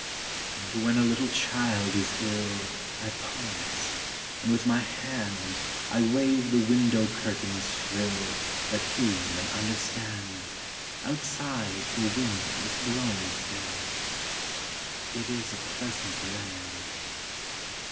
And when a little child is ill I pause, and with my hand I wave the window curtain's frill That he may understand Outside the wind is blowing still. ... It is a pleasant land.